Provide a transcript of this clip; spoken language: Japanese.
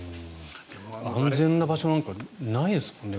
安全な場所なんかないですよね。